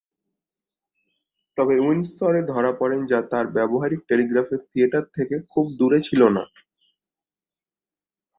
তবে উইন্ডসর-এ ধরা পড়েন যা তাঁর ব্যবহারিক টেলিগ্রাফের থিয়েটার থেকে খুব দূরে ছিল না।